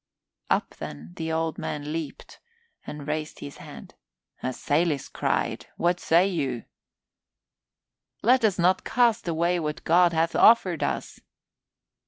Up, then, the Old One leaped, and he raised his hand. "A sail is cried. What say you?" "Let us not cast away what God hath offered us!"